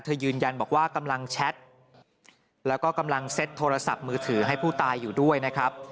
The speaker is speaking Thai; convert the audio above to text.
ยืนยันบอกว่ากำลังแชทแล้วก็กำลังเซ็ตโทรศัพท์มือถือให้ผู้ตายอยู่ด้วยนะครับ